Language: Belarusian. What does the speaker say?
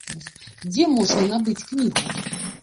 Дзе можна набыць кнігу?